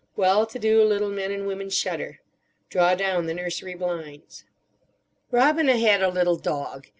Well to do little men and women shudder. Draw down the nursery blinds. Robina had a little dog.